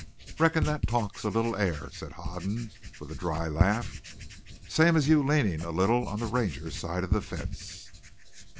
"Reckon thet talk's a little air," said Hoden with his dry laugh. "Same as you leanin' a little on the Ranger's side of the fence."